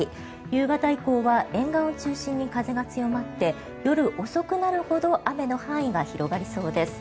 夕方以降は沿岸を中心に風が強まって夜遅くなるほど雨の範囲が広がりそうです。